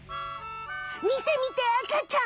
みてみてあかちゃん！